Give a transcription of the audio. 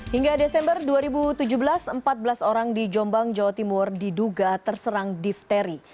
hingga desember dua ribu tujuh belas empat belas orang di jombang jawa timur diduga terserang difteri